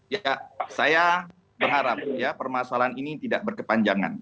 ya saya berharap ya permasalahan ini tidak berkepanjangan